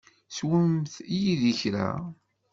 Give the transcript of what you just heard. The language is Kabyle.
Swemt yid-i kra.